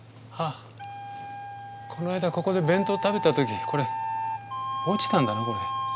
この間ここで弁当食べた時これ落ちたんだなこれ。